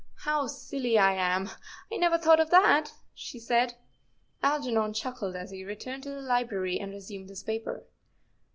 " How silly I am; I never thought of that," she said. Algernon chuckled as he returned to the library and resumed his paper.